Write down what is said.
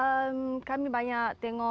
ehm kami banyak tengok